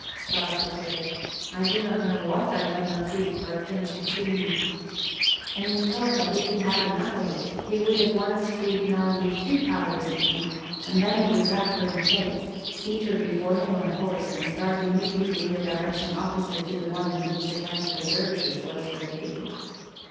Stas declared, "I do not know what I would not give for a pinch of quinine." And he thought that if he had enough of it, he would at once treat Nell with two powders, even, and then he would wrap her in plaids, seat her before him on a horse, and start immediately in a direction opposite to the one in which the camp of the dervishes was located.